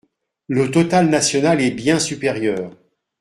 Le total national est bien supérieur.